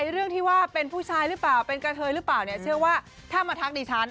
เรื่องที่ว่าเป็นผู้ชายหรือเปล่าเป็นกระเทยหรือเปล่าเนี่ยเชื่อว่าถ้ามาทักดิฉัน